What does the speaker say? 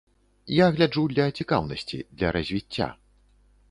Я гляджу для цікаўнасці, для развіцця.